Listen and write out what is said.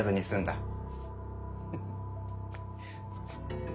フフッ。